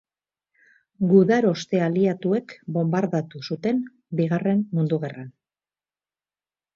Gudaroste aliatuek bonbardatu zuten Bigarren Mundu Gerran.